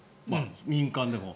民間でも。